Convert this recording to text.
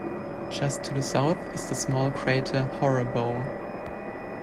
Just to the south is the small crater Horrebow.